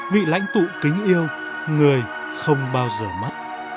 vị lãnh tụ kính yêu người không bao giờ mất